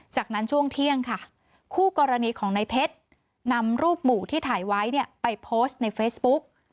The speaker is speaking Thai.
จากนั้นช่วงเที่ยงค่ะคู่กรณีของในเพชรนำรูปหมู่ที่ถ่ายไว้เนี่ยไปโพสต์ในเฟซบุ๊ก